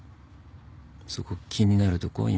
そこ気になるとこ？